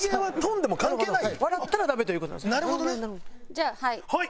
じゃあはい。